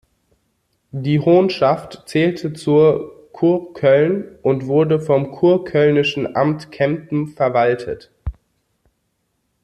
Die Honschaft zählte zu Kurköln und wurde vom kurkölnischen Amt Kempen verwaltet.